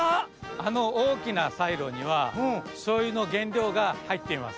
あのおおきなサイロにはしょうゆのげんりょうがはいっています。